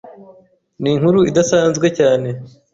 Ni inkuru idasanzwe cyane